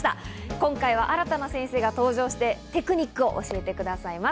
今回は新たな先生が登場して、テクニックを教えてくださいます。